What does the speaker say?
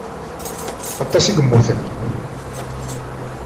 Aṭas i yemmuten.